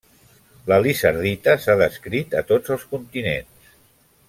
La lizardita s'ha descrit a tots els continents.